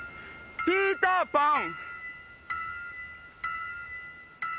ピーターパン。